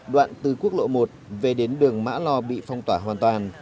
đoạn từ quốc lộ một về đến đường mã lò bị phong tỏa hoàn toàn